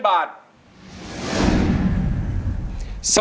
ไม่ใช้